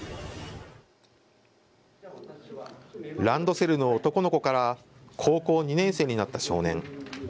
ランドセルの男の子から高校２年生になった少年。